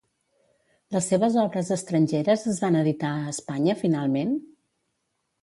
Les seves obres estrangeres es van editar a Espanya finalment?